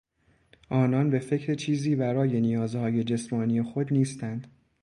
آنان به فکر چیزی ورای نیازهای جسمانی خود نیستند.